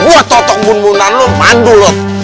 gue totok bun bunan lo mandulot